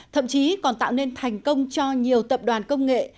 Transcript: thậm chí còn tạo nên thành công cho nhiều tập đoàn công nghệ